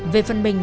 về phần mình